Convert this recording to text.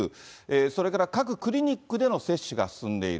それから各クリニックでの接種が進んでいる。